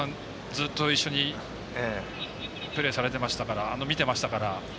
ずっと一緒にプレーされて見ていましたから。